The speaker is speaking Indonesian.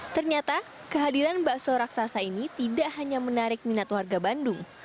ternyata kehadiran bakso raksasa ini tidak hanya menarik minat warga bandung